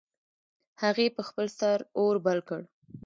هغې په خپل سر اور بل کړ